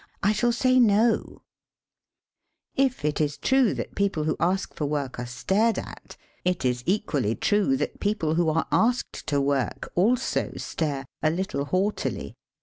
I shall say No !" If it is true that people who ask for work are stared at, it is. equally true that people who are asked to work also stare — a little haughtily.